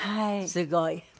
すごい。